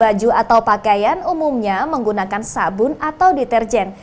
baju atau pakaian umumnya menggunakan sabun atau deterjen